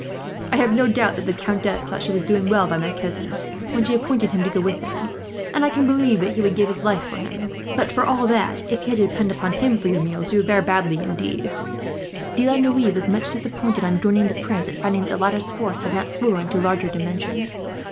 I have no doubt that the countess thought she was doing well by my cousin, when she appointed him to go with him, and I can believe that he would give his life for him; but for all that, if you had to depend upon him for your meals, you would fare badly, indeed." De la Noue was much disappointed, on joining the Prince, at finding that the latter's force had not swollen to larger dimensions.